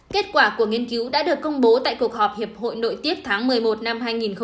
kết quả của nghiên cứu đã được công bố tại cuộc họp hiệp hội nội tiết tháng một mươi một năm hai nghìn một mươi chín